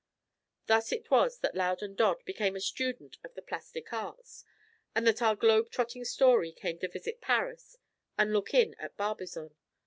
Thus it was that Loudon Dodd became a student of the plastic arts, and that our globe trotting story came to visit Paris and look in at Barbizon.